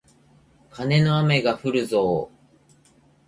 カネの雨がふるぞー